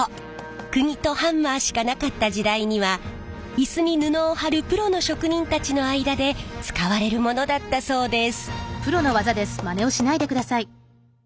くぎとハンマーしかなかった時代にはイスに布を張るプロの職人たちの間で使われるものだったそうです。